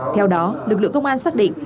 theo đó lực lượng công an xác định